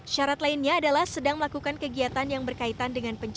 syarat lainnya adalah sedang melakukan kegiatan yang berkaitan dengan penjajahan